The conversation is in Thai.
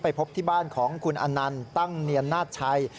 พบที่บ้านของคุณอนันต์ตั้งเนียนนาชัย